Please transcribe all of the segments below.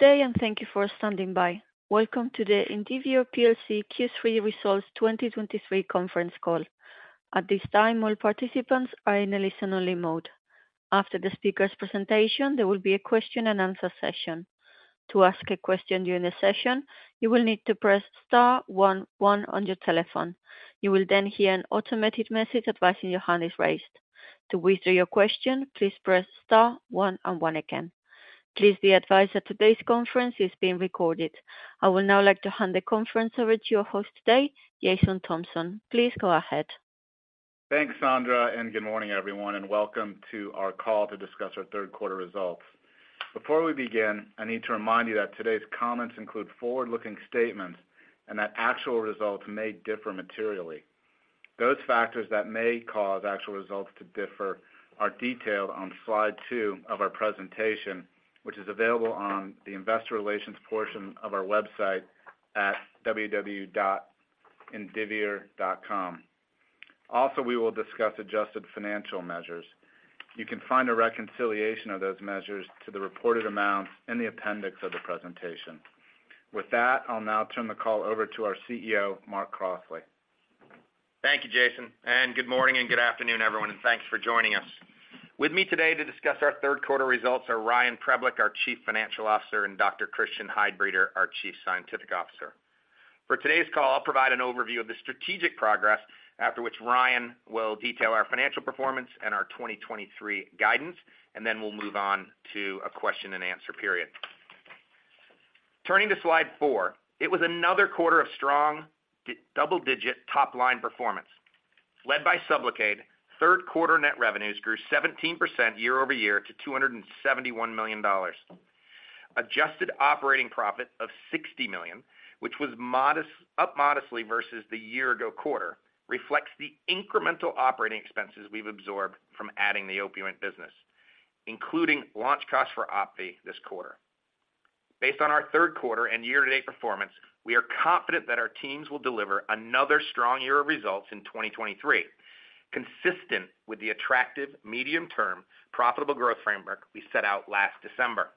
Good day, and thank you for standing by. Welcome to the Indivior PLC Q3 Results 2023 conference call. At this time, all participants are in a listen-only mode. After the speaker's presentation, there will be a question-and-answer session. To ask a question during the session, you will need to press star one one on your telephone. You will then hear an automated message advising your hand is raised. To withdraw your question, please press star one and one again. Please be advised that today's conference is being recorded. I would now like to hand the conference over to your host today, Jason Thompson. Please go ahead. Thanks, Sandra, and good morning, everyone, and welcome to our call to discuss our third quarter results. Before we begin, I need to remind you that today's comments include forward-looking statements and that actual results may differ materially. Those factors that may cause actual results to differ are detailed on slide two of our presentation, which is available on the investor relations portion of our website at www.indivior.com. Also, we will discuss adjusted financial measures. You can find a reconciliation of those measures to the reported amounts in the appendix of the presentation. With that, I'll now turn the call over to our CEO, Mark Crossley. Thank you, Jason, and good morning and good afternoon, everyone, and thanks for joining us. With me today to discuss our third quarter results are Ryan Preblick, our Chief Financial Officer, and Dr. Christian Heidbreder, our Chief Scientific Officer. For today's call, I'll provide an overview of the strategic progress, after which Ryan will detail our financial performance and our 2023 guidance, and then we'll move on to a question-and-answer period. Turning to slide four, it was another quarter of strong double-digit top-line performance. Led by SUBLOCADE, third quarter net revenues grew 17% year-over-year to $271 million. Adjusted operating profit of $60 million, which was modestly up modestly versus the year ago quarter, reflects the incremental operating expenses we've absorbed from adding the Opiant business, including launch costs for OPVEE this quarter. Based on our third quarter and year-to-date performance, we are confident that our teams will deliver another strong year of results in 2023, consistent with the attractive medium-term, profitable growth framework we set out last December.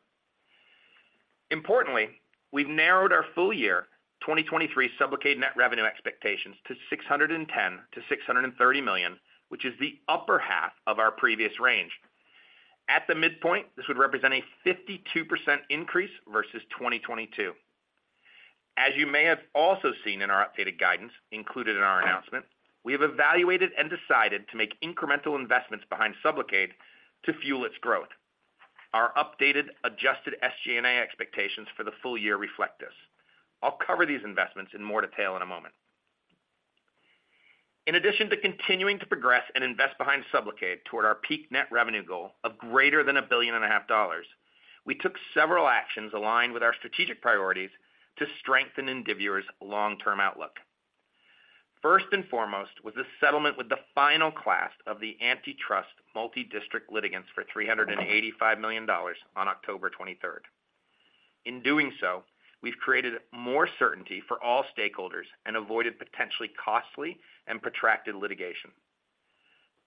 Importantly, we've narrowed our full year 2023 SUBLOCADE net revenue expectations to $610 million-$630 million, which is the upper half of our previous range. At the midpoint, this would represent a 52% increase versus 2022. As you may have also seen in our updated guidance, included in our announcement, we have evaluated and decided to make incremental investments behind SUBLOCADE to fuel its growth. Our updated, adjusted SG&A expectations for the full year reflect this. I'll cover these investments in more detail in a moment. In addition to continuing to progress and invest behind SUBLOCADE toward our peak net revenue goal of greater than $1.5 billion, we took several actions aligned with our strategic priorities to strengthen Indivior's long-term outlook. First and foremost, was the settlement with the final class of the antitrust multi-district litigants for $385 million on October 23. In doing so, we've created more certainty for all stakeholders and avoided potentially costly and protracted litigation.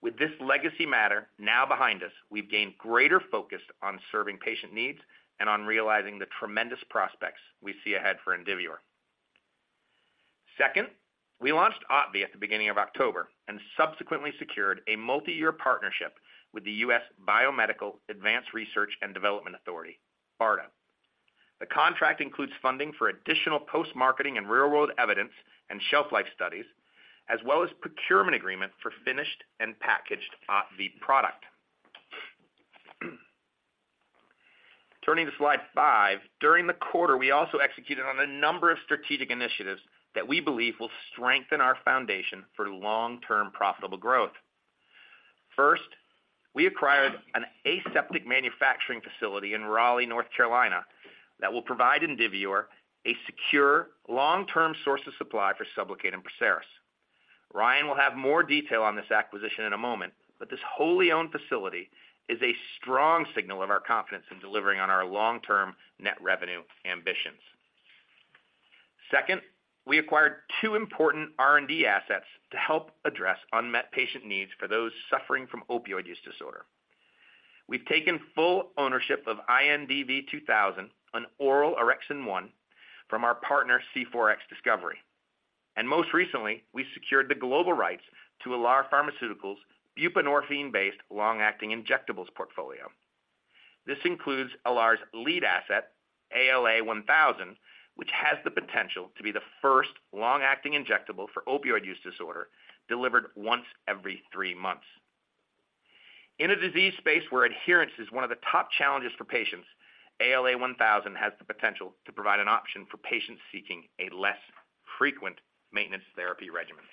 With this legacy matter now behind us, we've gained greater focus on serving patient needs and on realizing the tremendous prospects we see ahead for Indivior. Second, we launched OPVEE at the beginning of October and subsequently secured a multi-year partnership with the Biomedical Advanced Research and Development Authority, BARDA. The contract includes funding for additional post-marketing and real-world evidence and shelf life studies, as well as procurement agreement for finished and packaged OPVEE product. Turning to slide 5, during the quarter, we also executed on a number of strategic initiatives that we believe will strengthen our foundation for long-term profitable growth. First, we acquired an aseptic manufacturing facility in Raleigh, North Carolina, that will provide Indivior a secure, long-term source of supply for SUBLOCADE and PERSERIS. Ryan will have more detail on this acquisition in a moment, but this wholly owned facility is a strong signal of our confidence in delivering on our long-term net revenue ambitions. Second, we acquired two important R&D assets to help address unmet patient needs for those suffering from opioid use disorder. We've taken full ownership of INDV-2000, an oral orexin-1 from our partner, C4X Discovery. Most recently, we secured the global rights to Alar Pharmaceuticals' buprenorphine-based long-acting injectables portfolio. This includes Alar's lead asset, ALA-1000, which has the potential to be the first long-acting injectable for opioid use disorder, delivered once every three months. In a disease space where adherence is one of the top challenges for patients, ALA-1000 has the potential to provide an option for patients seeking a less frequent maintenance therapy regimen.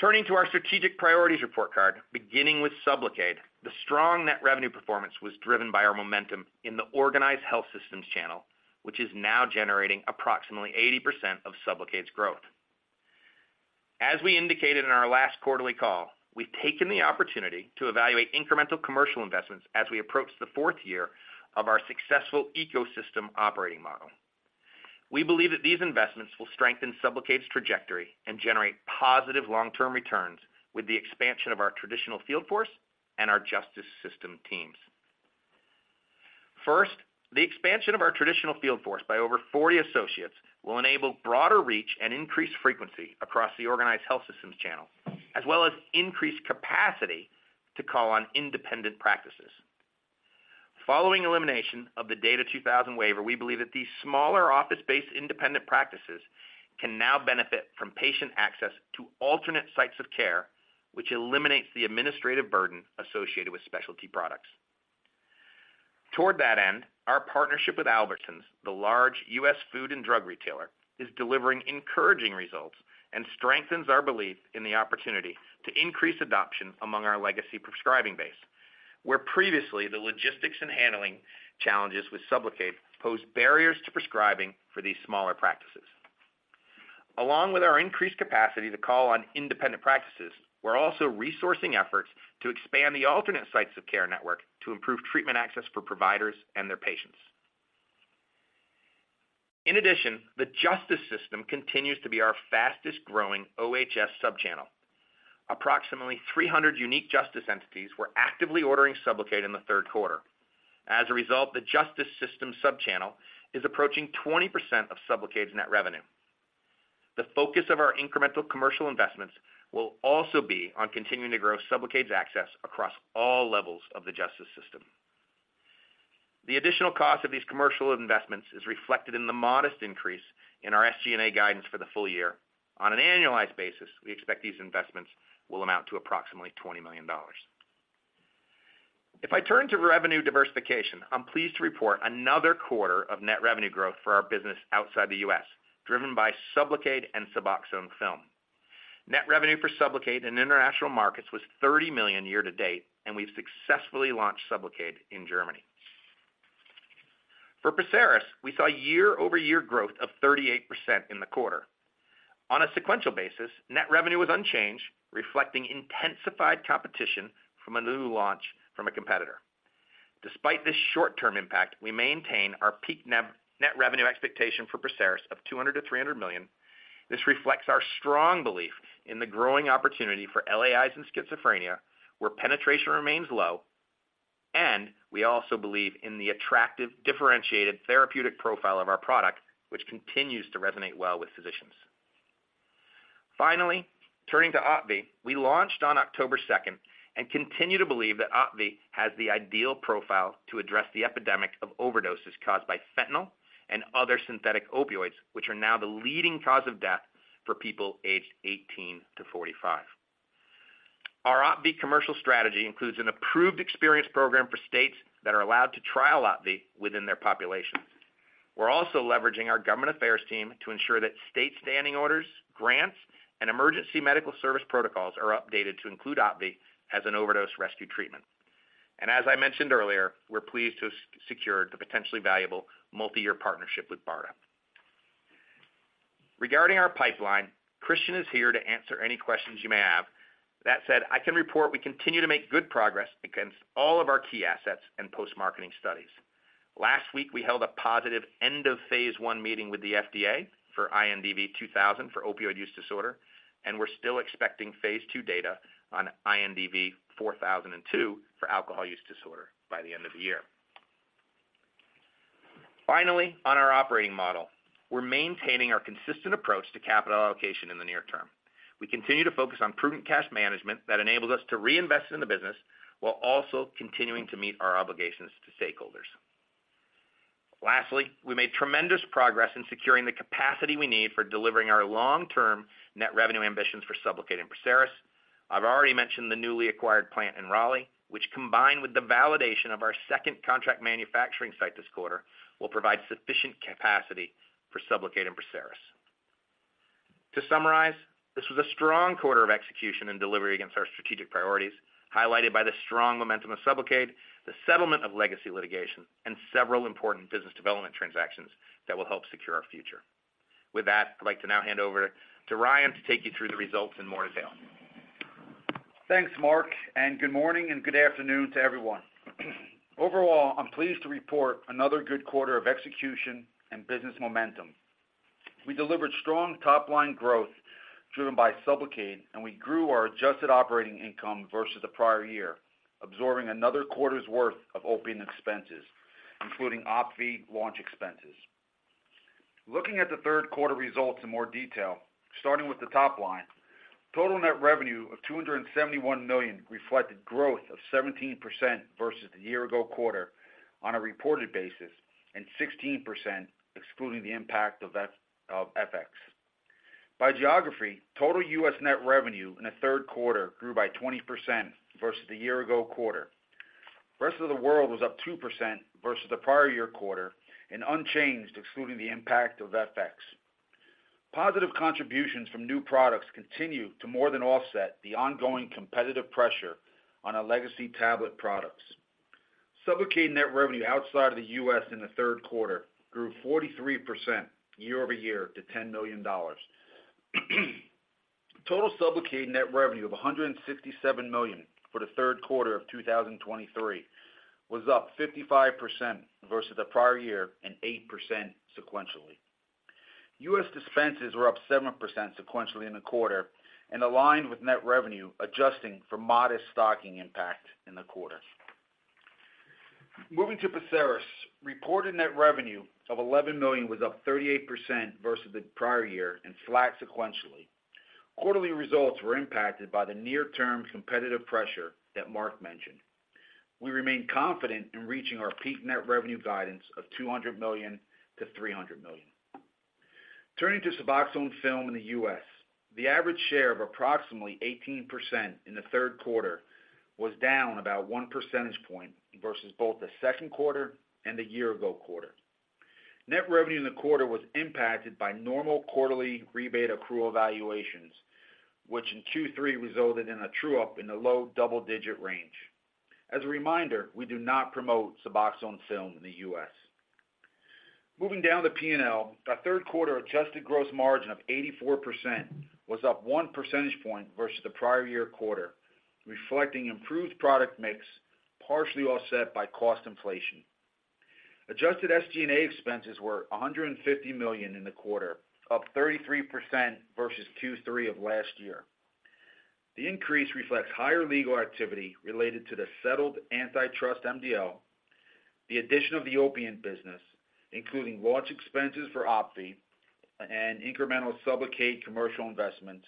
Turning to our strategic priorities report card, beginning with SUBLOCADE, the strong net revenue performance was driven by our momentum in the organized health systems channel, which is now generating approximately 80% of SUBLOCADE's growth. As we indicated in our last quarterly call, we've taken the opportunity to evaluate incremental commercial investments as we approach the fourth year of our successful ecosystem operating model.... We believe that these investments will strengthen SUBLOCADE's trajectory and generate positive long-term returns with the expansion of our traditional field force and our justice system teams. First, the expansion of our traditional field force by over 40 associates will enable broader reach and increased frequency across the organized health systems channel, as well as increased capacity to call on independent practices. Following elimination of the DATA 2000 Waiver, we believe that these smaller office-based independent practices can now benefit from patient access to alternate sites of care, which eliminates the administrative burden associated with specialty products. Toward that end, our partnership with Albertsons, the large US food and drug retailer, is delivering encouraging results and strengthens our belief in the opportunity to increase adoption among our legacy prescribing base, where previously the logistics and handling challenges with SUBLOCADE posed barriers to prescribing for these smaller practices. Along with our increased capacity to call on independent practices, we're also resourcing efforts to expand the alternate sites of care network to improve treatment access for providers and their patients. In addition, the justice system continues to be our fastest growing OHS subchannel. Approximately 300 unique justice entities were actively ordering SUBLOCADE in the third quarter. As a result, the justice system subchannel is approaching 20% of SUBLOCADE's net revenue. The focus of our incremental commercial investments will also be on continuing to grow SUBLOCADE's access across all levels of the justice system. The additional cost of these commercial investments is reflected in the modest increase in our SG&A guidance for the full year. On an annualized basis, we expect these investments will amount to approximately $20 million. If I turn to revenue diversification, I'm pleased to report another quarter of net revenue growth for our business outside the US, driven by SUBLOCADE and SUBOXONE Film. Net revenue for SUBLOCADE in international markets was $30 million year to date, and we've successfully launched SUBLOCADE in Germany. For PERSERIS, we saw year-over-year growth of 38% in the quarter. On a sequential basis, net revenue was unchanged, reflecting intensified competition from a new launch from a competitor. Despite this short-term impact, we maintain our peak net revenue expectation for PERSERIS of $200 million-$300 million. This reflects our strong belief in the growing opportunity for LAIs in schizophrenia, where penetration remains low, and we also believe in the attractive, differentiated therapeutic profile of our product, which continues to resonate well with physicians. Finally, turning to OPVEE, we launched on October 2 and continue to believe that OPVEE has the ideal profile to address the epidemic of overdoses caused by fentanyl and other synthetic opioids, which are now the leading cause of death for people aged 18 to 45. Our OPVEE commercial strategy includes an approved experience program for states that are allowed to trial OPVEE within their populations. We're also leveraging our government affairs team to ensure that state standing orders, grants, and emergency medical service protocols are updated to include OPVEE as an overdose rescue treatment. And as I mentioned earlier, we're pleased to have secured the potentially valuable multiyear partnership with BARDA. Regarding our pipeline, Christian is here to answer any questions you may have. That said, I can report we continue to make good progress against all of our key assets and post-marketing studies. Last week, we held a positive end of phase I meeting with the FDA for INDV-2000 for opioid use disorder, and we're still expecting phase II data on INDV-4002 for alcohol use disorder by the end of the year. Finally, on our operating model, we're maintaining our consistent approach to capital allocation in the near term. We continue to focus on prudent cash management that enables us to reinvest in the business while also continuing to meet our obligations to stakeholders. Lastly, we made tremendous progress in securing the capacity we need for delivering our long-term net revenue ambitions for SUBLOCADE and PERSERIS. I've already mentioned the newly acquired plant in Raleigh, which, combined with the validation of our second contract manufacturing site this quarter, will provide sufficient capacity for SUBLOCADE and PERSERIS. To summarize, this was a strong quarter of execution and delivery against our strategic priorities, highlighted by the strong momentum of SUBLOCADE, the settlement of legacy litigation, and several important business development transactions that will help secure our future. With that, I'd like to now hand over to Ryan to take you through the results in more detail. Thanks, Mark, and good morning, and good afternoon to everyone. Overall, I'm pleased to report another good quarter of execution and business momentum. We delivered strong top-line growth driven by SUBLOCADE, and we grew our adjusted operating income versus the prior year, absorbing another quarter's worth of Opiant expenses, including OPVEE launch expenses. Looking at the third quarter results in more detail, starting with the top line, total net revenue of $271 million reflected growth of 17% versus the year ago quarter on a reported basis, and 16% excluding the impact of FX. By geography, total U.S. net revenue in the third quarter grew by 20% versus the year ago quarter. Rest of the world was up 2% versus the prior year quarter and unchanged, excluding the impact of FX. Positive contributions from new products continue to more than offset the ongoing competitive pressure on our legacy tablet products. SUBLOCADE net revenue outside of the U.S. in the third quarter grew 43% year-over-year to $10 million. Total SUBLOCADE net revenue of $167 million for the third quarter of 2023 was up 55% versus the prior year and 8% sequentially. U.S. dispenses were up 7% sequentially in the quarter and aligned with net revenue, adjusting for modest stocking impact in the quarter. Moving to PERSERIS, reported net revenue of $11 million was up 38% versus the prior year and flat sequentially. Quarterly results were impacted by the near-term competitive pressure that Mark mentioned. We remain confident in reaching our peak net revenue guidance of $200 million-$300 million. Turning to SUBOXONE Film in the U.S., the average share of approximately 18% in the third quarter was down about one percentage point versus both the second quarter and the year ago quarter. Net revenue in the quarter was impacted by normal quarterly rebate accrual evaluations, which in Q3 resulted in a true-up in the low double-digit range. As a reminder, we do not promote SUBOXONE Film in the U.S. Moving down to P&L, our third quarter adjusted gross margin of 84% was up one percentage point versus the prior year quarter, reflecting improved product mix, partially offset by cost inflation. Adjusted SG&A expenses were $150 million in the quarter, up 33% versus Q3 of last year. OPVEEOPVEEOPVEEOPVEE The increase reflects higher legal activity related to the settled antitrust MDL, the addition of the Opiant business, including launch expenses for OPVEE and incremental SUBLOCADE commercial investments,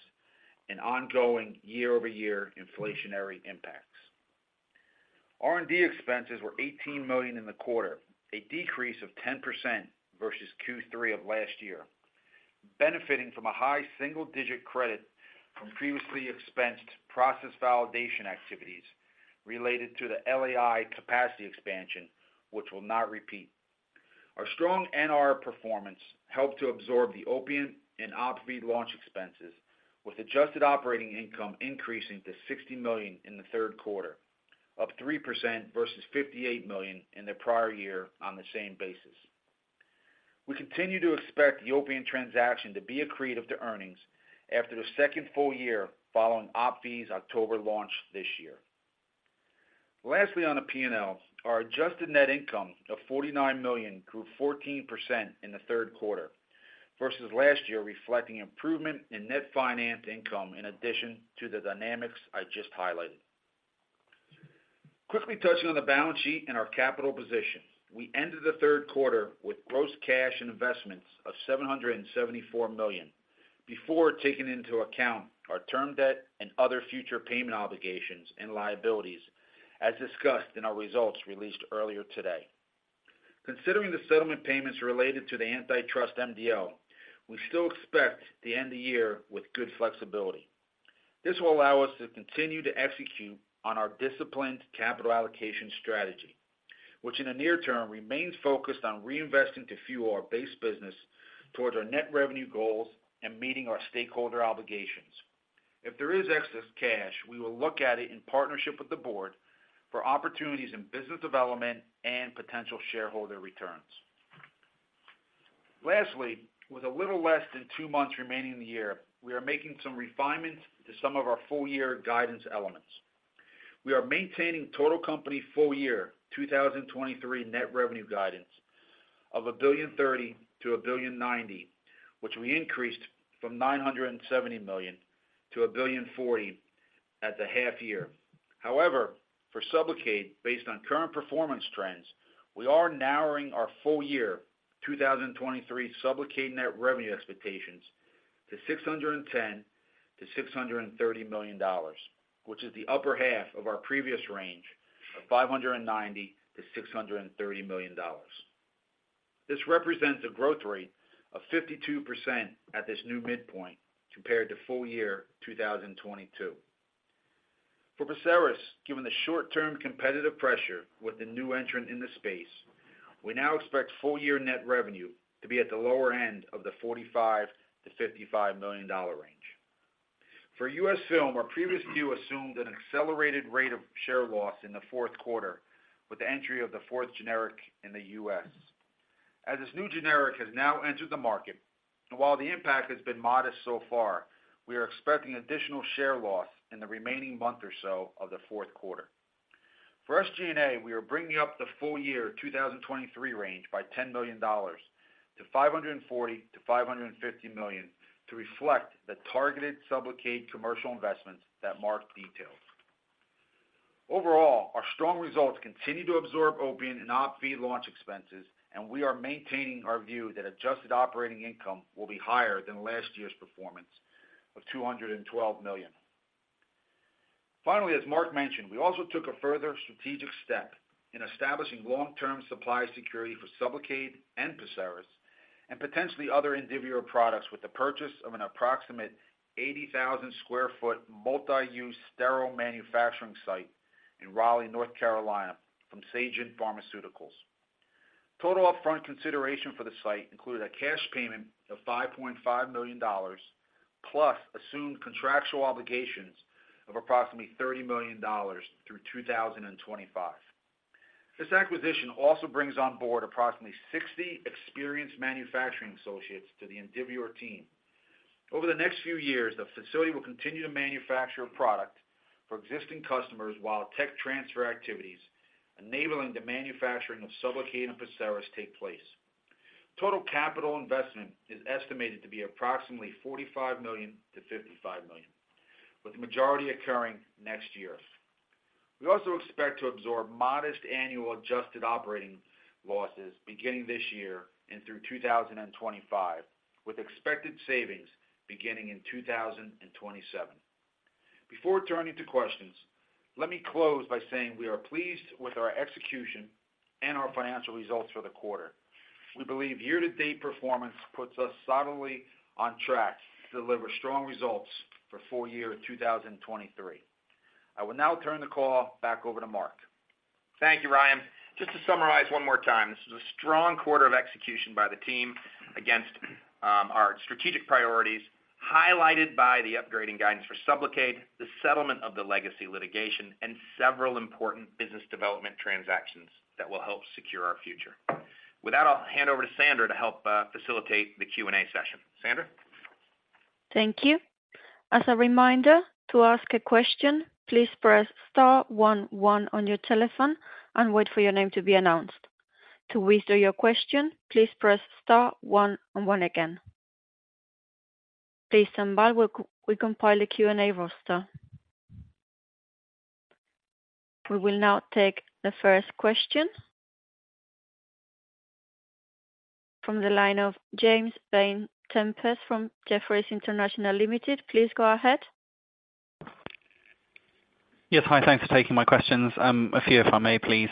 and ongoing year-over-year inflationary impacts. R&D expenses were $18 million in the quarter, a decrease of 10% versus Q3 of last year, benefiting from a high single digit credit from previously expensed process validation activities related to the LAI capacity expansion, which will not repeat. Our strong NR performance helped to absorb the Opiant and OPVEE launch expenses, with adjusted operating income increasing to $60 million in the third quarter, up 3% versus $58 million in the prior year on the same basis. We continue to expect the Opiant transaction to be accretive to earnings after the second full year, following OPVEE's October launch this year. Lastly, on the P&L, our adjusted net income of $49 million grew 14% in the third quarter versus last year, reflecting improvement in net finance income, in addition to the dynamics I just highlighted. Quickly touching on the balance sheet and our capital position. We ended the third quarter with gross cash and investments of $774 million, before taking into account our term debt and other future payment obligations and liabilities, as discussed in our results released earlier today. Considering the settlement payments related to the antitrust MDL, we still expect to end the year with good flexibility. This will allow us to continue to execute on our disciplined capital allocation strategy, which in the near term, remains focused on reinvesting to fuel our base business towards our net revenue goals and meeting our stakeholder obligations. If there is excess cash, we will look at it in partnership with the board for opportunities in business development and potential shareholder returns. Lastly, with a little less than two months remaining in the year, we are making some refinements to some of our full year guidance elements. We are maintaining total company full year 2023 net revenue guidance of $1.03 billion-$1.09 billion, which we increased from $970 million to $1.04 billion at the half year. However, for SUBLOCADE, based on current performance trends, we are narrowing our full year 2023 SUBLOCADE net revenue expectations to $610 million-$630 million, which is the upper half of our previous range of $590 million-$630 million. This represents a growth rate of 52% at this new midpoint compared to full year 2022. For PERSERIS, given the short term competitive pressure with the new entrant in the space, we now expect full year net revenue to be at the lower end of the $45 million-$55 million range. For US Film, our previous view assumed an accelerated rate of share loss in the fourth quarter, with the entry of the fourth generic in the US. As this new generic has now entered the market, and while the impact has been modest so far, we are expecting additional share loss in the remaining month or so of the fourth quarter. For SG&A, we are bringing up the full year 2023 range by $10 million to $540 million-$550 million to reflect the targeted SUBLOCADE commercial investments that Mark detailed. Overall, our strong results continue to absorb Opiant and OPVEE launch expenses, and we are maintaining our view that adjusted operating income will be higher than last year's performance of $212 million. Finally, as Mark mentioned, we also took a further strategic step in establishing long-term supply security for SUBLOCADE and PERSERIS, and potentially other Indivior products, with the purchase of an approximate 80,000 sq ft multi-use sterile manufacturing site in Raleigh, North Carolina, from Sagent Pharmaceuticals. Total upfront consideration for the site included a cash payment of $5.5 million, plus assumed contractual obligations of approximately $30 million through 2025. This acquisition also brings on board approximately 60 experienced manufacturing associates to the Indivior team. Over the next few years, the facility will continue to manufacture a product for existing customers, while tech transfer activities, enabling the manufacturing of SUBLOCADE and PERSERIS take place. Total capital investment is estimated to be approximately $45 million-$55 million, with the majority occurring next year. We also expect to absorb modest annual adjusted operating losses beginning this year and through 2025, with expected savings beginning in 2027. Before turning to questions, let me close by saying we are pleased with our execution and our financial results for the quarter. We believe year-to-date performance puts us solidly on track to deliver strong results for full year 2023. I will now turn the call back over to Mark. Thank you, Ryan. Just to summarize one more time, this is a strong quarter of execution by the team against our strategic priorities, highlighted by the upgrading guidance for SUBLOCADE, the settlement of the legacy litigation, and several important business development transactions that will help secure our future. With that, I'll hand over to Sandra to help facilitate the Q&A session. Sandra? Thank you. As a reminder, to ask a question, please press star one one on your telephone and wait for your name to be announced. To withdraw your question, please press star one and one again. Please stand by, we'll compile a Q&A roster. We will now take the first question. From the line of James Vane-Tempest from Jefferies International Limited. Please go ahead. Yes, hi, thanks for taking my questions. A few, if I may, please.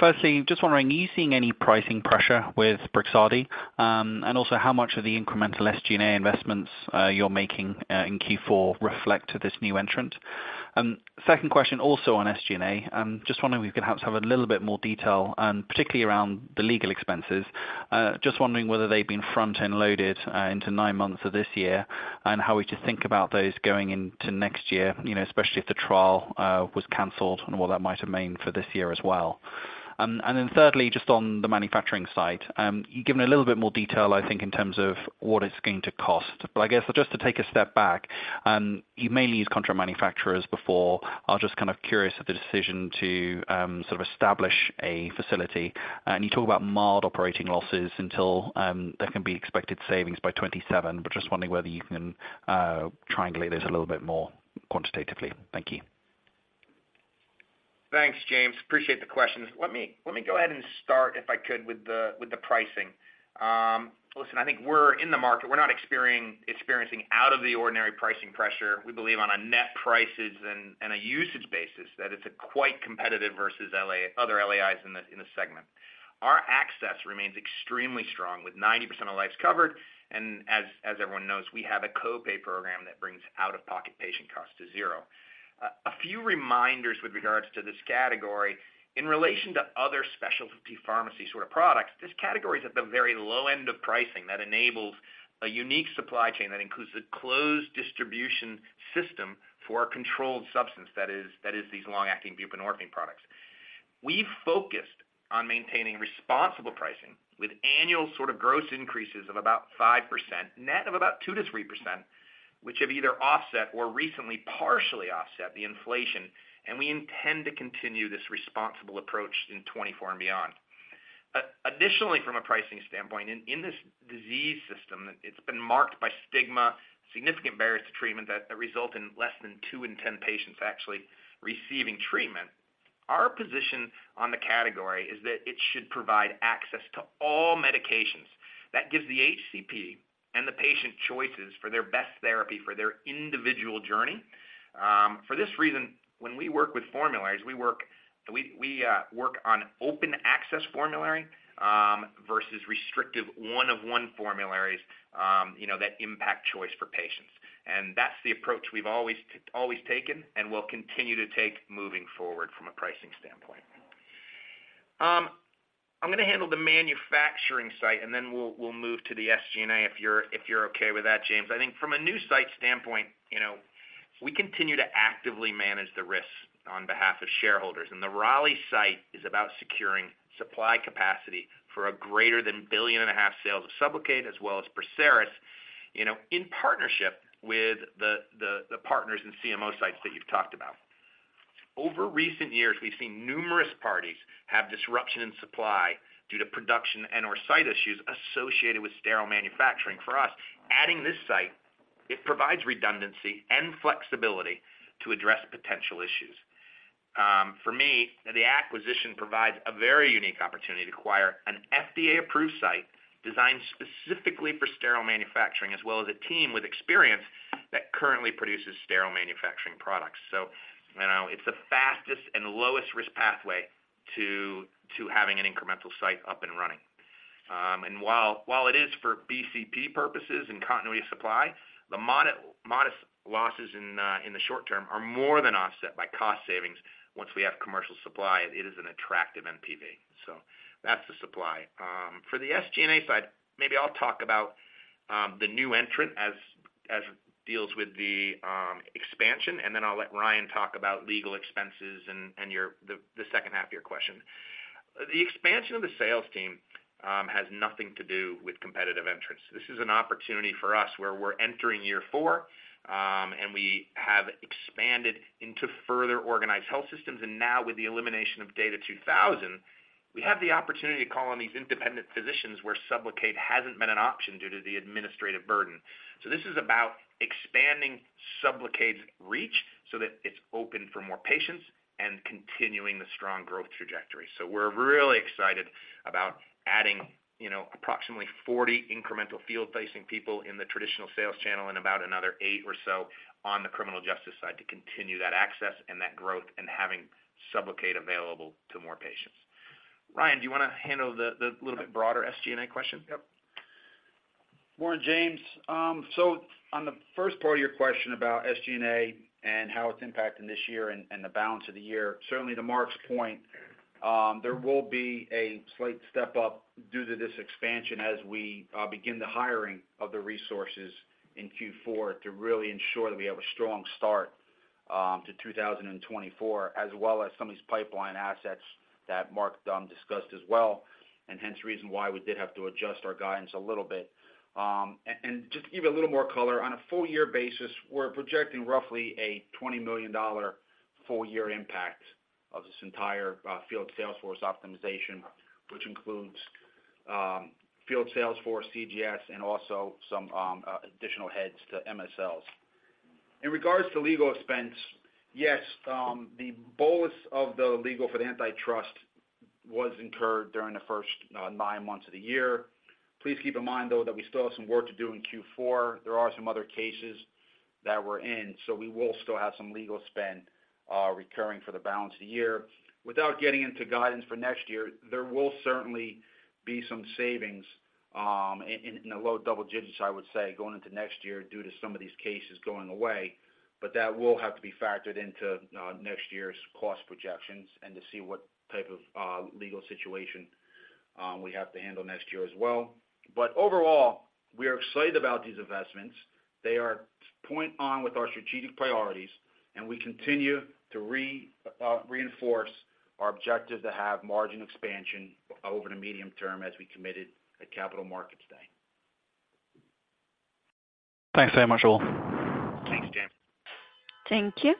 Firstly, just wondering, are you seeing any pricing pressure with Brixadi? And also, how much of the incremental SG&A investments you're making in Q4 reflect to this new entrant? Second question, also on SG&A. Just wondering if you could perhaps have a little bit more detail, particularly around the legal expenses. Just wondering whether they've been front and loaded into nine months of this year, and how we should think about those going into next year, you know, especially if the trial was canceled, and what that might have meant for this year as well. And then thirdly, just on the manufacturing side, you've given a little bit more detail, I think, in terms of what it's going to cost. But I guess just to take a step back, you mainly use contract manufacturers before. I'm just kind of curious of the decision to sort of establish a facility. And you talk about mild operating losses until there can be expected savings by 2027. But just wondering whether you can triangulate this a little bit more quantitatively. Thank you. Thanks, James. Appreciate the questions. Let me, let me go ahead and start, if I could, with the, with the pricing. Listen, I think we're in the market. We're not experiencing out of the ordinary pricing pressure. We believe on a net prices and, and a usage basis, that it's quite competitive versus LA, other LAIs in the, in the segment. Our access remains extremely strong, with 90% of lives covered, and as, as everyone knows, we have a co-pay program that brings out-of-pocket patient costs to zero. A few reminders with regards to this category. In relation to other specialty pharmacy sort of products, this category is at the very low end of pricing that enables a unique supply chain that includes a closed distribution system for a controlled substance, that is, that is these long-acting buprenorphine products. We've focused on maintaining responsible pricing with annual sort of gross increases of about 5%, net of about 2%-3%, which have either offset or recently partially offset the inflation, and we intend to continue this responsible approach in 2024 and beyond. Additionally, from a pricing standpoint, in this disease system, it's been marked by stigma, significant barriers to treatment that result in less than two in 10 patients actually receiving treatment. Our position on the category is that it should provide access to all medications. That gives the HCP and the patient choices for their best therapy for their individual journey. For this reason, when we work with formularies, we work on open access formulary versus restrictive one of one formularies, you know, that impact choice for patients. That's the approach we've always taken and will continue to take moving forward from a pricing standpoint. I'm gonna handle the manufacturing site, and then we'll move to the SG&A, if you're okay with that, James. I think from a new site standpoint, you know, we continue to actively manage the risks on behalf of shareholders, and the Raleigh site is about securing supply capacity for greater than $1.5 billion sales of SUBLOCADE as well as PERSERIS, you know, in partnership with the partners and CMO sites that you've talked about. Over recent years, we've seen numerous parties have disruption in supply due to production and/or site issues associated with sterile manufacturing. For us, adding this site, it provides redundancy and flexibility to address potential issues. For me, the acquisition provides a very unique opportunity to acquire an FDA-approved site designed specifically for sterile manufacturing, as well as a team with experience that currently produces sterile manufacturing products. So you know, it's the fastest and lowest risk pathway to having an incremental site up and running. And while it is for BCP purposes and continuity of supply, the modest losses in the short term are more than offset by cost savings once we have commercial supply, it is an attractive and-... So that's the supply. For the SG&A side, maybe I'll talk about the new entrant as it deals with the expansion, and then I'll let Ryan talk about legal expenses and your—the second half of your question. The expansion of the sales team has nothing to do with competitive entrants. This is an opportunity for us where we're entering year 4, and we have expanded into further organized health systems. And now with the elimination of DATA 2000, we have the opportunity to call on these independent physicians where SUBLOCADE hasn't been an option due to the administrative burden. So this is about expanding SUBLOCADE's reach so that it's open for more patients and continuing the strong growth trajectory. So we're really excited about adding, you know, approximately 40 incremental field-facing people in the traditional sales channel and about another 8 or so on the criminal justice side to continue that access and that growth and having SUBLOCADE available to more patients. Ryan, do you want to handle the little bit broader SG&A question? Yep. Morning, James. So on the first part of your question about SG&A and how it's impacting this year and the balance of the year, certainly to Mark's point, there will be a slight step up due to this expansion as we begin the hiring of the resources in Q4 to really ensure that we have a strong start to 2024, as well as some of these pipeline assets that Mark discussed as well, and hence the reason why we did have to adjust our guidance a little bit. And just to give you a little more color, on a full year basis, we're projecting roughly a $20 million full year impact of this entire field sales force optimization, which includes field salesforce, CJS, and also some additional heads to MSLs. In regards to legal expense, yes, the bolus of the legal for the antitrust was incurred during the first nine months of the year. Please keep in mind, though, that we still have some work to do in Q4. There are some other cases that we're in, so we will still have some legal spend recurring for the balance of the year. Without getting into guidance for next year, there will certainly be some savings in the low double digits, I would say, going into next year due to some of these cases going away, but that will have to be factored into next year's cost projections and to see what type of legal situation we have to handle next year as well. But overall, we are excited about these investments. They are point on with our strategic priorities, and we continue to reinforce our objective to have margin expansion over the medium term as we committed at Capital Markets Day. Thanks very much, all. Thanks, James. Thank you.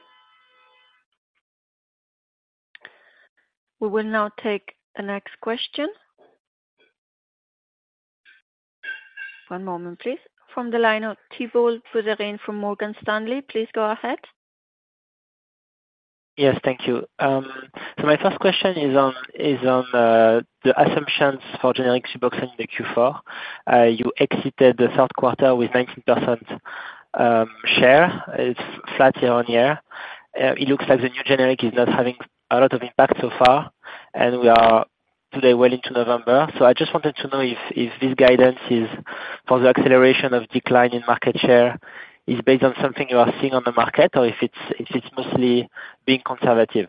We will now take the next question. One moment, please. From the line of Thibault Boutherin from Morgan Stanley. Please go ahead. Yes, thank you. So my first question is on the assumptions for generic SUBOXONE in the Q4. You exited the third quarter with 19% share. It's flat year-on-year. It looks like the new generic is not having a lot of impact so far, and we are today well into November. So I just wanted to know if this guidance is for the acceleration of decline in market share, is based on something you are seeing on the market, or if it's mostly being conservative?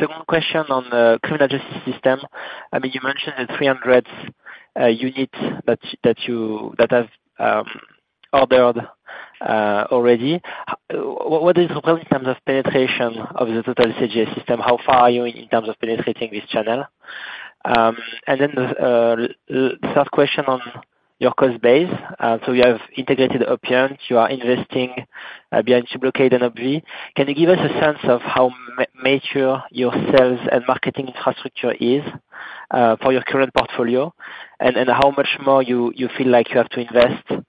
So one question on the criminal justice system. I mean, you mentioned the 300 units that you have ordered already. What is in terms of penetration of the total CJS system? How far are you in terms of penetrating this channel? And then, the third question on your cost base. So you have integrated Opiant, you are investing behind SUBLOCADE and OPVEE. Can you give us a sense of how mature your sales and marketing infrastructure is, for your current portfolio? And how much more you feel like you have to invest?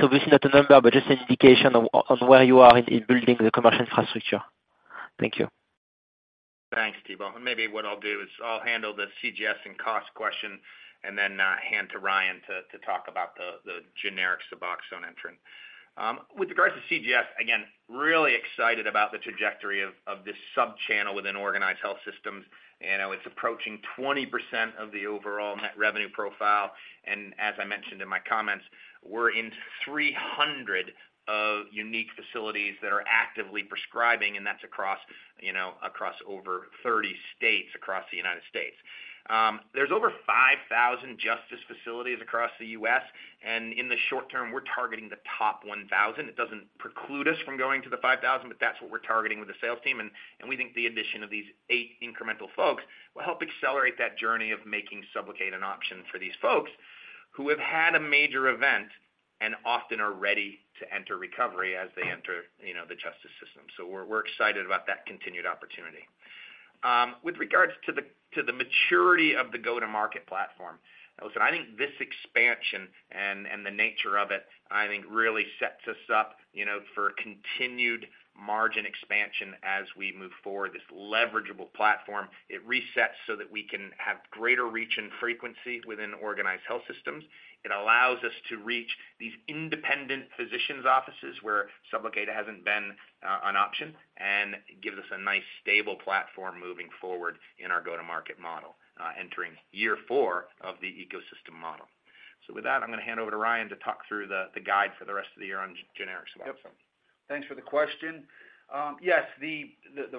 So this is not a number, but just an indication of on where you are in building the commercial infrastructure. Thank you. Thanks, Thibault. Maybe what I'll do is I'll handle the CJS and cost question and then hand to Ryan to talk about the generic SUBOXONE entrant. With regards to CJS, again, really excited about the trajectory of this sub-channel within Organized Health Systems. You know, it's approaching 20% of the overall net revenue profile, and as I mentioned in my comments, we're in 300 unique facilities that are actively prescribing, and that's across, you know, across over 30 states across the United States. There's over 5,000 justice facilities across the U.S., and in the short term, we're targeting the top 1,000. It doesn't preclude us from going to the 5,000, but that's what we're targeting with the sales team, and we think the addition of these eight incremental folks will help accelerate that journey of making SUBLOCADE an option for these folks who have had a major event and often are ready to enter recovery as they enter, you know, the justice system. So we're excited about that continued opportunity. With regards to the maturity of the go-to-market platform, listen, I think this expansion and the nature of it, I think, really sets us up, you know, for continued margin expansion as we move forward. This leverageable platform, it resets so that we can have greater reach and frequency within organized health systems. It allows us to reach these independent physicians' offices, where SUBLOCADE hasn't been an option, and gives us a nice, stable platform moving forward in our go-to-market model, entering year four of the ecosystem model.... So with that, I'm going to hand over to Ryan to talk through the guide for the rest of the year on generics. Yep. Thanks for the question. Yes, the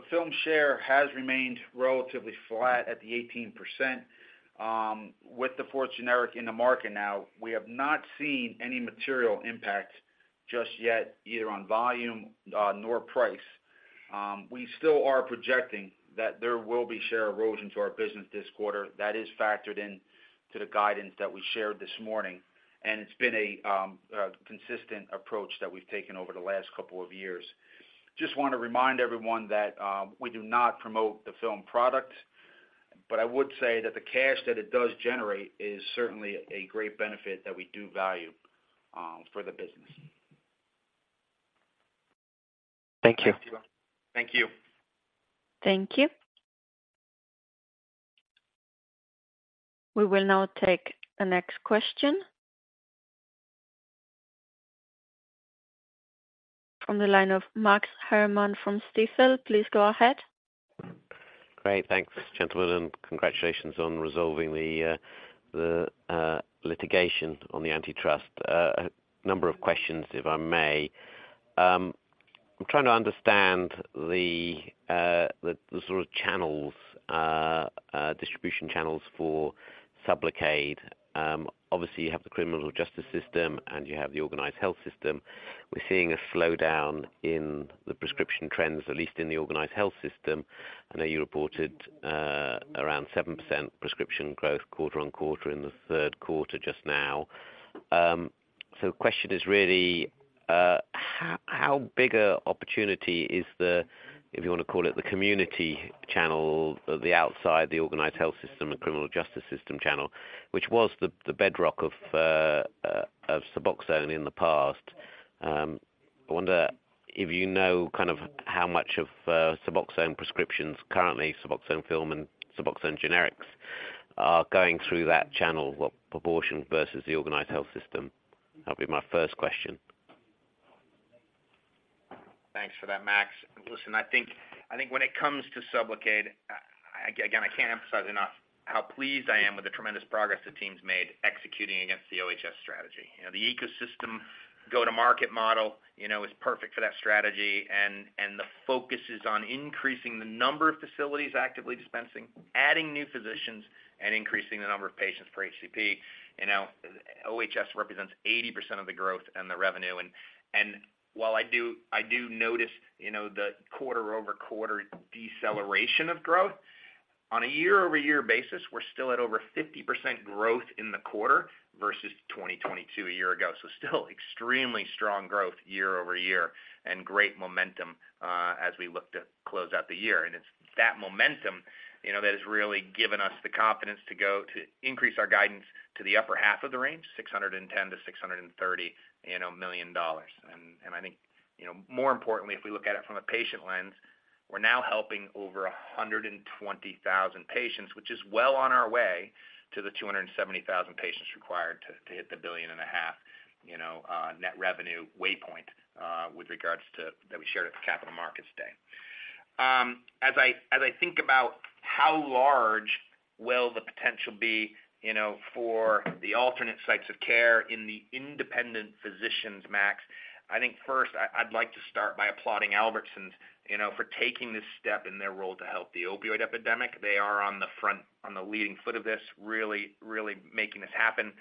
film share has remained relatively flat at the 18%. With the fourth generic in the market now, we have not seen any material impact just yet, either on volume nor price. We still are projecting that there will be share erosion to our business this quarter. That is factored in to the guidance that we shared this morning, and it's been a consistent approach that we've taken over the last couple of years. Just want to remind everyone that we do not promote the film product, but I would say that the cash that it does generate is certainly a great benefit that we do value for the business. Thank you. Thank you. Thank you. We will now take the next question. From the line of Max Herrmann from Stifel. Please go ahead. Great, thanks, gentlemen, congratulations on resolving the litigation on the antitrust. A number of questions, if I may. I'm trying to understand the sort of distribution channels for SUBLOCADE. Obviously, you have the criminal justice system, and you have the organized health system. We're seeing a slowdown in the prescription trends, at least in the organized health system. I know you reported around 7% prescription growth quarter-on-quarter in the third quarter just now. So the question is really, how big a opportunity is the, if you want to call it, the community channel, the outside the organized health system and criminal justice system channel, which was the bedrock of SUBOXONE in the past. I wonder if you know kind of how much of, SUBOXONE prescriptions, currently SUBOXONE Film and SUBOXONE generics, are going through that channel, what proportion versus the organized health system? That'll be my first question. Thanks for that, Max. Listen, I think, I think when it comes to SUBLOCADE, again, I can't emphasize enough how pleased I am with the tremendous progress the team's made executing against the OHS strategy. You know, the ecosystem go-to-market model, you know, is perfect for that strategy, and, and the focus is on increasing the number of facilities actively dispensing, adding new physicians, and increasing the number of patients per HCP. You know, OHS represents 80% of the growth and the revenue, and, and while I do, I do notice, you know, the quarter-over-quarter deceleration of growth, on a year-over-year basis, we're still at over 50% growth in the quarter versus 2022 a year ago. So still extremely strong growth year-over-year and great momentum, as we look to close out the year. And it's that momentum, you know, that has really given us the confidence to go to increase our guidance to the upper half of the range, $610 million-$630 million. And I think, you know, more importantly, if we look at it from a patient lens, we're now helping over 120,000 patients, which is well on our way to the 270,000 patients required to hit the $1.5 billion, you know, net revenue waypoint with regards to that we shared at the Capital Markets Day. As I think about how large the potential will be, you know, for the alternate sites of care in the independent physicians, Max, I think first I'd like to start by applauding Albertsons, you know, for taking this step in their role to help the opioid epidemic. They are on the front, on the leading foot of this, really, really making this happen.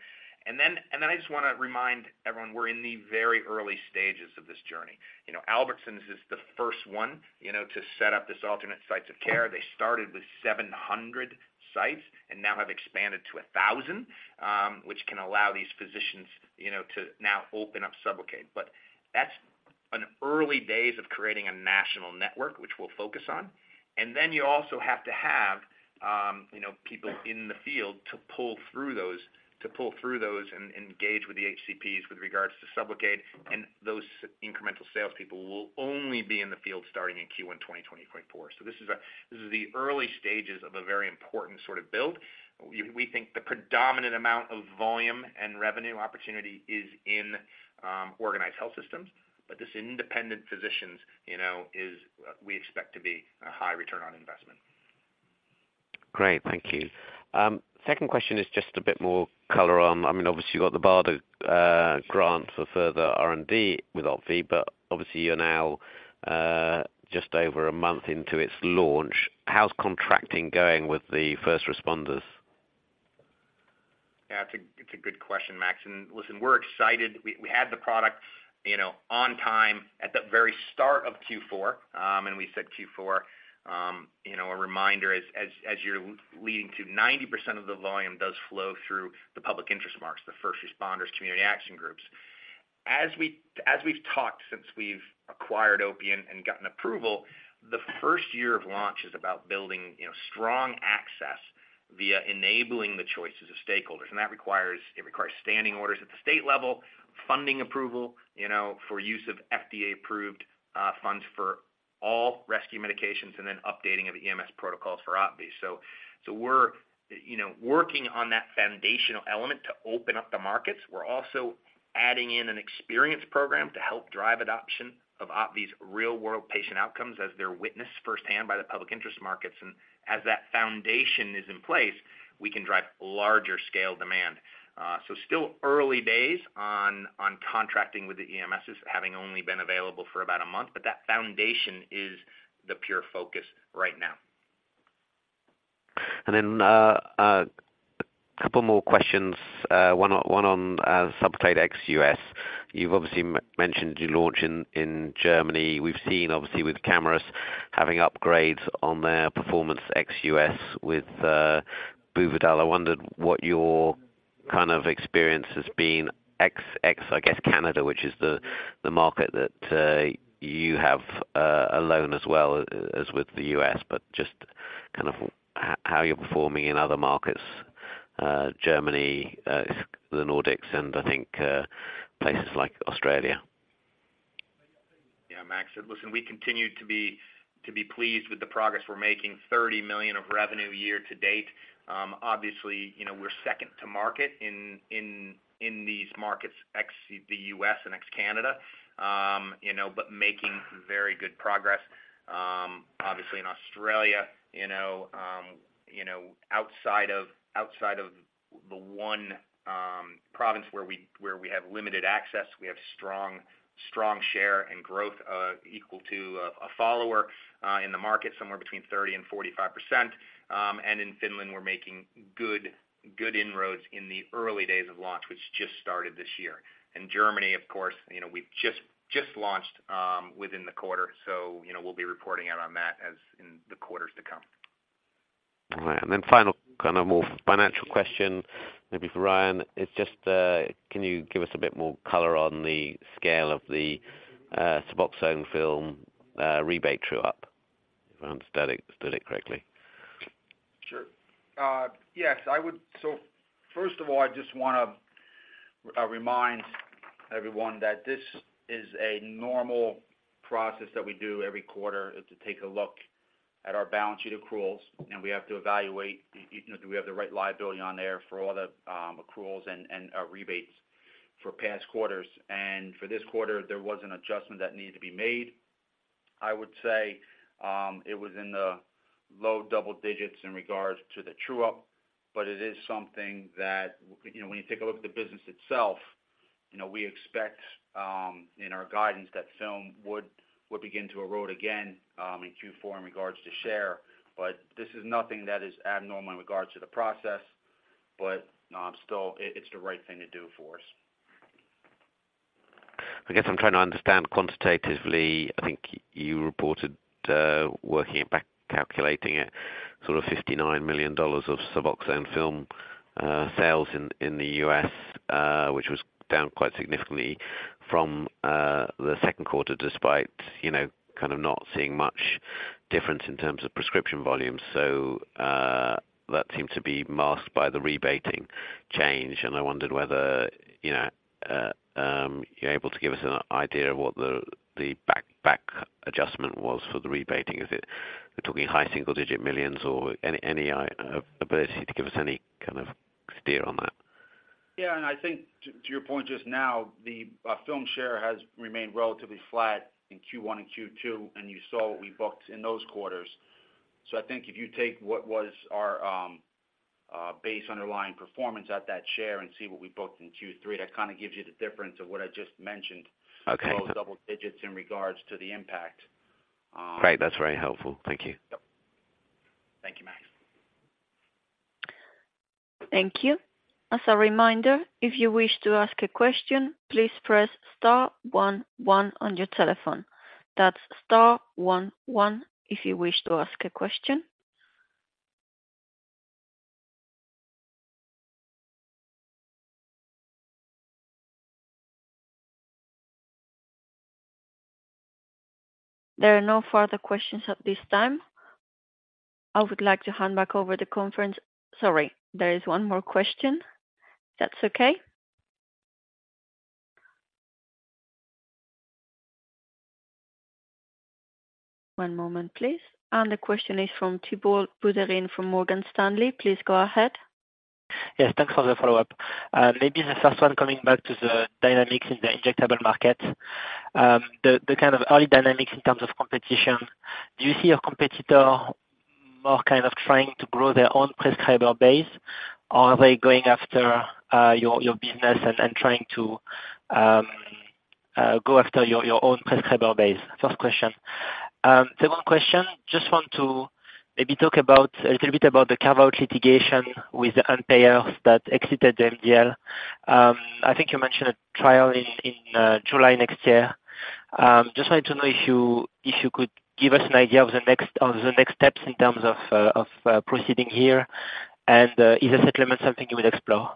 And then I just want to remind everyone, we're in the very early stages of this journey. You know, Albertsons is the first one, you know, to set up this alternate sites of care. They started with 700 sites and now have expanded to 1,000, which can allow these physicians, you know, to now open up SUBLOCADE. But that's an early days of creating a national network, which we'll focus on. And then you also have to have, you know, people in the field to pull through those, to pull through those and engage with the HCPs with regards to SUBLOCADE, and those incremental salespeople will only be in the field starting in Q1 2024. So this is a, this is the early stages of a very important sort of build. We think the predominant amount of volume and revenue opportunity is in organized health systems, but this independent physicians, you know, is, we expect to be a high return on investment. Great, thank you. Second question is just a bit more color on, I mean, obviously, you got the BARDA grant for further R&D with OPVEE, but obviously you're now just over a month into its launch. How's contracting going with the first responders? Yeah, it's a good question, Max. And listen, we're excited. We had the product, you know, on time at the very start of Q4, and we said Q4. You know, a reminder as you're leading to 90% of the volume does flow through the public interest markets, the first responders, community action groups. As we've talked since we've acquired Opiant and gotten approval, the first year of launch is about building, you know, strong access via enabling the choices of stakeholders. And that requires standing orders at the state level, funding approval, you know, for use of FDA-approved funds for all rescue medications, and then updating of EMS protocols for OPVEE. So we're, you know, working on that foundational element to open up the markets. We're also adding in an experience program to help drive adoption of OPVEE's real-world patient outcomes as they're witnessed firsthand by the public interest markets. And as that foundation is in place, we can drive larger scale demand. So still early days on contracting with the EMSs, having only been available for about a month, but that foundation is the pure focus right now. Then, a couple more questions. One on SUBUTEX ex-US. You've obviously mentioned your launch in Germany. We've seen obviously with Camurus having upgrades on their performance ex-US with Buvidal. I wondered what your kind of experience has been ex-US, I guess, Canada, which is the market that you have alone as well as with the U.S., but just kind of how you're performing in other markets, Germany, the Nordics, and I think places like Australia. Yeah, Max. Listen, we continue to be pleased with the progress we're making $30 million of revenue year to date. Obviously, you know, we're second to market in these markets, ex-US and ex-Canada, you know, but making very good progress. Obviously in Australia, you know, outside of the one province where we have limited access, we have strong, strong share and growth, equal to a follower in the market, somewhere between 30%-45%. And in Finland, we're making good, good inroads in the early days of launch, which just started this year. In Germany, of course, you know, we've just launched within the quarter, so, you know, we'll be reporting out on that as in the quarters to come. All right. And then final, kind of more financial question, maybe for Ryan. It's just, can you give us a bit more color on the scale of the SUBOXONE Film rebate true-up, if I understood it correctly? Sure. Yes, I would. So first of all, I just want to remind everyone that this is a normal process that we do every quarter to take a look at our balance sheet accruals, and we have to evaluate, you know, do we have the right liability on there for all the accruals and rebates for past quarters. And for this quarter, there was an adjustment that needed to be made. I would say, it was in the low double digits in regards to the true-up, but it is something that, you know, when you take a look at the business itself, you know, we expect in our guidance that film would begin to erode again in Q4 in regards to share. But this is nothing that is abnormal in regards to the process, but still, it's the right thing to do for us. I guess I'm trying to understand quantitatively. I think you reported, working it back, calculating it, sort of $59 million of SUBOXONE Film sales in the U.S., which was down quite significantly from the second quarter, despite, you know, kind of not seeing much difference in terms of prescription volumes. So, that seemed to be masked by the rebating change. And I wondered whether, you know, you're able to give us an idea of what the back adjustment was for the rebating. Is it we're talking $ high single-digit millions or any ability to give us any kind of steer on that? Yeah, and I think to, to your point just now, the film share has remained relatively flat in Q1 and Q2, and you saw what we booked in those quarters. So I think if you take what was our base underlying performance at that share and see what we booked in Q3, that kind of gives you the difference of what I just mentioned- Okay. both double digits in regards to the impact. Great. That's very helpful. Thank you. Yep. Thank you, Max. Thank you. As a reminder, if you wish to ask a question, please press star one one on your telephone. That's star one one, if you wish to ask a question. There are no further questions at this time. I would like to hand back over the conference... Sorry, there is one more question. That's okay? One moment, please. The question is from Thibault Boutherin, from Morgan Stanley. Please go ahead. Yes, thanks for the follow-up. Maybe the first one, coming back to the dynamics in the injectable market. The kind of early dynamics in terms of competition, do you see your competitor more kind of trying to grow their own prescriber base? Or are they going after your business and trying to go after your own prescriber base? First question. Second question, just want to maybe talk about a little bit about the carve-out litigation with the payers that exited the MDL. I think you mentioned a trial in July next year. Just wanted to know if you could give us an idea of the next steps in terms of proceeding here, and is a settlement something you would explore?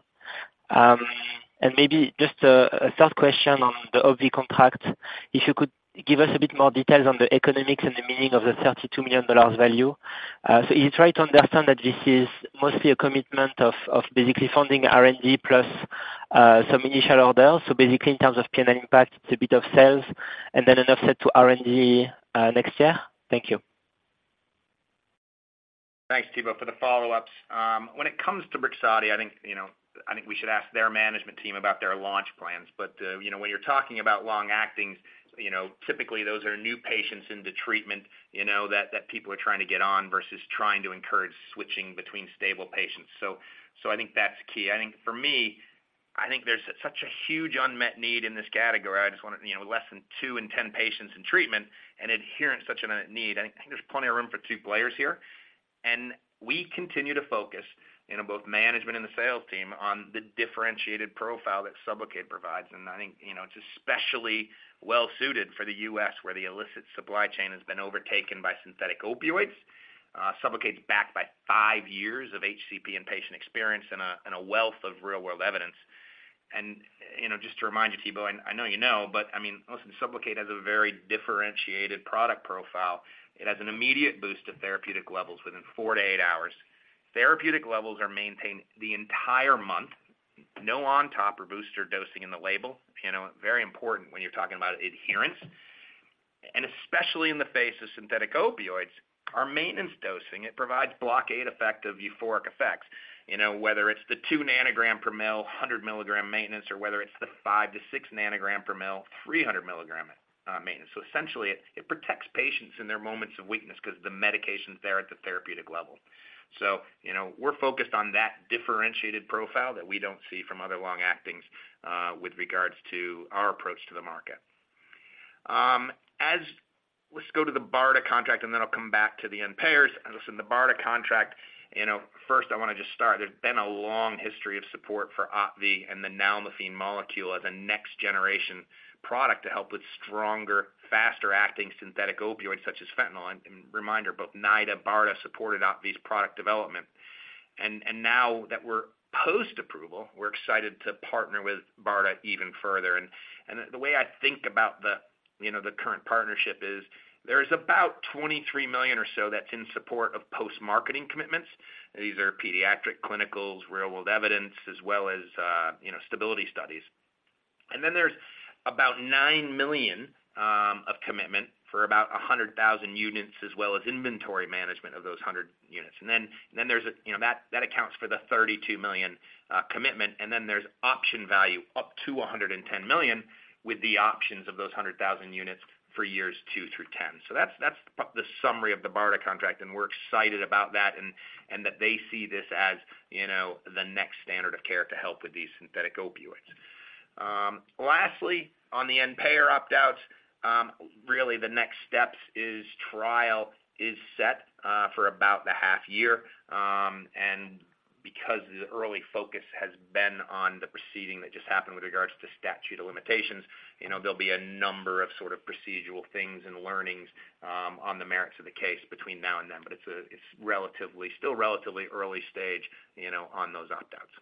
And maybe just a third question on the OPVEE contract. If you could give us a bit more details on the economics and the meaning of the $32 million value. So you try to understand that this is mostly a commitment of basically funding R&D plus some initial orders. So basically, in terms of P&L impact, it's a bit of sales and then an offset to R&D next year. Thank you. Thanks, Thibault, for the follow-ups. When it comes to Brixadi, I think, you know- I think we should ask their management team about their launch plans. But, you know, when you're talking about long-acting, you know, typically those are new patients into treatment, you know, that people are trying to get on versus trying to encourage switching between stable patients. So I think that's key. I think for me, I think there's such a huge unmet need in this category. I just wanna, you know, less than two in ten patients in treatment and adherence, such an unmet need. I think there's plenty of room for two players here, and we continue to focus, you know, both management and the sales team, on the differentiated profile that SUBLOCADE provides. And I think, you know, it's especially well suited for the US, where the illicit supply chain has been overtaken by synthetic opioids. SUBLOCADE is backed by five years of HCP and patient experience and a, and a wealth of real-world evidence. You know, just to remind you, Thibault, I know you know, but I mean, listen, SUBLOCADE has a very differentiated product profile. It has an immediate boost of therapeutic levels within 4-8 hours. Therapeutic levels are maintained the entire month, no on top or booster dosing in the label. You know, very important when you're talking about adherence, and especially in the face of synthetic opioids, our maintenance dosing, it provides blockade effect of euphoric effects. You know, whether it's the 2 nanogram per ml, 100 milligram maintenance, or whether it's the 5-6 nanogram per ml, 300 milligram maintenance. So essentially, it protects patients in their moments of weakness because the medication's there at the therapeutic level. So, you know, we're focused on that differentiated profile that we don't see from other long-actings with regards to our approach to the market. Let's go to the BARDA contract, and then I'll come back to the end payers. And listen, the BARDA contract, you know, first, I wanna just start. There's been a long history of support for OPVEE and the nalmefene molecule as a next generation product to help with stronger, faster-acting synthetic opioids such as fentanyl. And reminder, both NIDA, BARDA, supported OPVEE product development. And now that we're post-approval, we're excited to partner with BARDA even further. And the way I think about the, you know, the current partnership is there's about $23 million or so that's in support of post-marketing commitments. These are pediatric clinicals, real-world evidence, as well as, you know, stability studies. And then there's about $9 million of commitment for about 100,000 units, as well as inventory management of those 100 units. And then, then there's a, you know, that, that accounts for the $32 million commitment, and then there's option value up to $110 million, with the options of those 100,000 units for years two through 10. So that's, that's the summary of the BARDA contract, and we're excited about that, and, and that they see this as, you know, the next standard of care to help with these synthetic opioids. Lastly, on the end payer opt-outs, really, the next steps is trial is set for about the half year. And because the early focus has been on the proceeding that just happened with regards to statute of limitations, you know, there'll be a number of sort of procedural things and learnings on the merits of the case between now and then, but it's still relatively early stage, you know, on those opt-outs.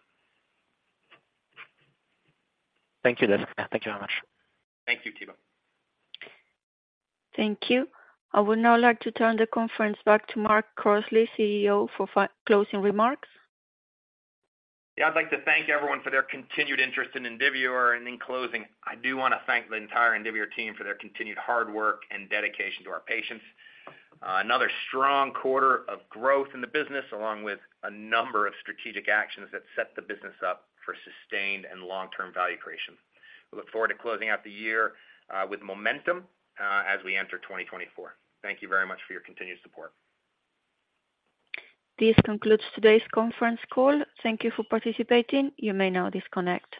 Thank you, Mark. Thank you very much. Thank you, Thibault. Thank you. I would now like to turn the conference back to Mark Crossley, CEO, for closing remarks. Yeah, I'd like to thank everyone for their continued interest in Indivior, and in closing, I do wanna thank the entire Indivior team for their continued hard work and dedication to our patients. Another strong quarter of growth in the business, along with a number of strategic actions that set the business up for sustained and long-term value creation. We look forward to closing out the year, with momentum, as we enter 2024. Thank you very much for your continued support. This concludes today's conference call. Thank you for participating. You may now disconnect.